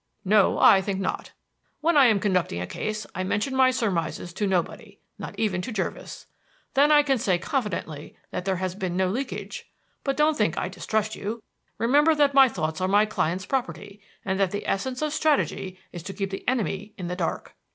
"No, I think not. When I am conducting a case I mention my surmises to nobody not even to Jervis. Then I can say confidently that there has been no leakage. Don't think I distrust you. Remember that my thoughts are my client's property, and that the essence of strategy is to keep the enemy in the dark."